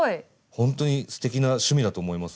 ほんとにすてきな趣味だと思います。